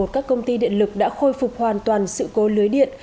các công ty điện lực đã khôi phục hoàn toàn sự cố lưới điện